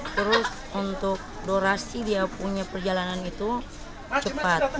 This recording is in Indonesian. terus untuk durasi dia punya perjalanan itu cepat